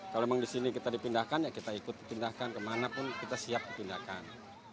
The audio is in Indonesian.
kalau memang di sini kita dipindahkan ya kita ikut dipindahkan kemana pun kita siap dipindahkan